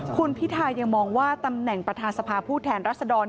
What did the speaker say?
คุณพิทายังมองว่าตำแหน่งประธานสภาผู้แทนรัศดร